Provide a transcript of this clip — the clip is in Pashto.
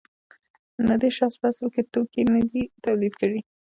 نو دې شخص په اصل کې توکي نه دي تولید کړي